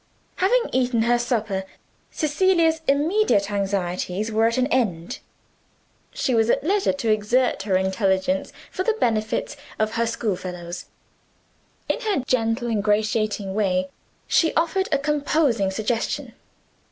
Having eaten her supper, Cecilia's immediate anxieties were at an end; she was at leisure to exert her intelligence for the benefit of her schoolfellows. In her gentle ingratiating way, she offered a composing suggestion.